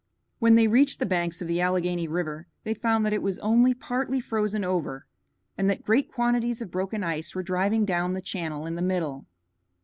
When they reached the banks of the Alleghany River they found that it was only partly frozen over and that great quantities of broken ice were driving down the channel in the middle.